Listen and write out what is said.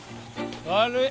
悪い。